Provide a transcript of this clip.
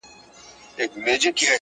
ما یې له منبره د بلال ږغ اورېدلی دی!!